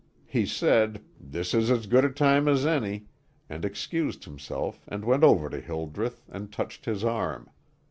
He said: "This is as good a time as any," and excused himself and went over to Hildreth, and touched his arm.